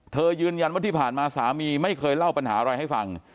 ยืนยันว่าที่ผ่านมาสามีไม่เคยเล่าปัญหาอะไรให้ฟัง